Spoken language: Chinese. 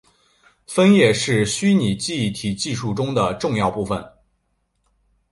分页是虚拟记忆体技术中的重要部份。